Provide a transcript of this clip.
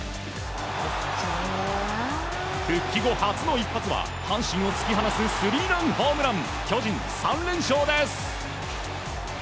復帰後初の一発は阪神を突き放すスリーランホームラン。